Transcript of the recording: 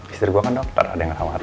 istri gua kan dokter ada yang rawat